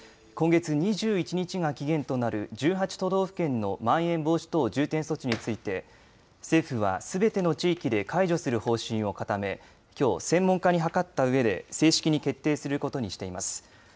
今月２１日が期限となる１８都道府県のまん延防止等重点措置について政府はすべての地域で解除する方針を固め、きょう専門家に諮ったうえで正式に決定することにしています。